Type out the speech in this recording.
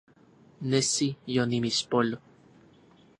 Nesi yonimixpolo